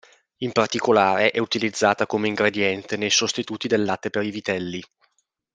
In particolare è utilizzata come ingrediente nei sostituti del latte per i vitelli.